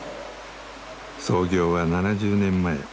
創業は７０年前。